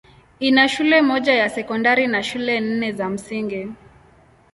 Ina shule moja ya sekondari na shule nne za msingi.